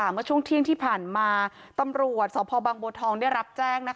เมื่อช่วงเที่ยงที่ผ่านมาตำรวจสพบังบัวทองได้รับแจ้ง